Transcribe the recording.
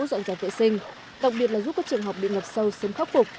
dọn dàng vệ sinh đồng biệt là giúp các trường học bị ngập sâu sớm khắc phục